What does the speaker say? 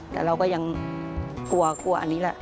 แต่เราก็ยังกลัวกลัวอันนี้แหละ